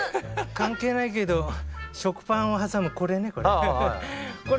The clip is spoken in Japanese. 関係ないけど食パンを挟むこれね。